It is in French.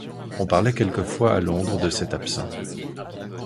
On parlait quelquefois à Londres de cet absent.